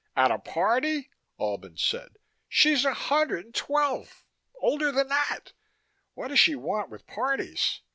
"At a party?" Albin said. "She's a hundred and twelve older than that. What does she want with parties?